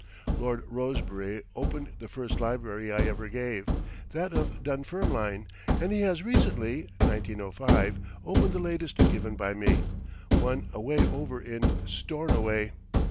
Lord Rosebery opened the first library I ever gave, that of Dunfermline, and he has recently (1905) opened the latest given by me one away over in Stornoway.